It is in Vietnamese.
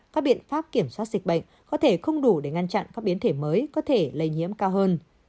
các biện pháp kiểm soát dịch bệnh có thể không đủ để ngăn chặn các biến thể mới có thể lây nhiễm cao hơn